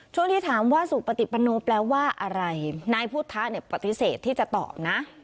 ช่วงที่ถามว่าสุปติปโนแปลว่าอะไรนายพุทธะเนี่ยปฏิเสธที่จะตอบนะ